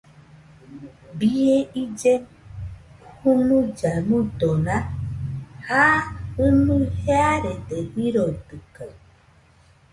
Bie ille junuilla muidona, ja jɨnui jearede jiroitɨkaɨ